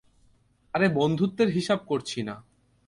আরে বন্ধুত্বের হিসাব করছি না।